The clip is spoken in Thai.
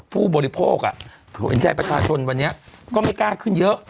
ผู้บริโภคเห็นใจประชาชนวันนี้ก็ไม่กล้าขึ้นเยอะ